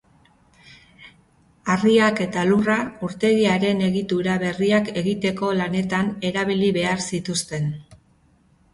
Harriak eta lurra urtegiaren egitura berriak egiteko lanetan erabili behar zituzten.